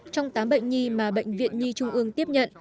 trong tám bệnh nhi mà bệnh viện nhi trung ương tiếp nhận